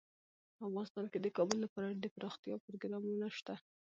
افغانستان کې د کابل لپاره دپرمختیا پروګرامونه شته.